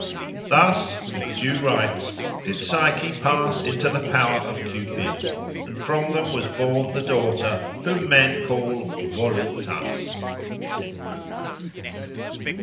Thus, with due rites, did Psyche pass into the power of Cupid; and from them was born the daughter whom men call Voluptas.